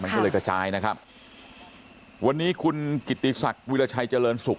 มันก็เลยกระจายนะครับวันนี้คุณกิติศักดิ์วิราชัยเจริญสุข